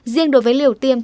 riêng đối với liều tiêm